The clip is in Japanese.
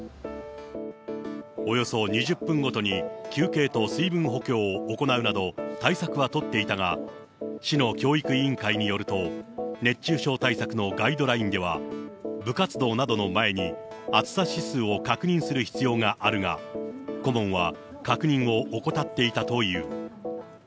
およそ２０分ごとに休憩と水分補給を行うなど対策は取っていたが、市の教育委員会によると、熱中症対策のガイドラインでは、部活動などの前に暑さ指数を確認する必要があるが、顧問は確認を怠っていたという。